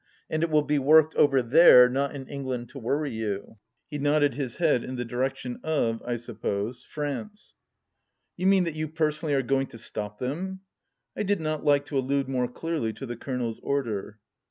And it wUl be worked over there, not in England to worry you." He nodded his head in the direc tion of, I suppose, France. " You mean, that you personally are going to stop them ?" I did not like to allude more clearly to the colonel's order.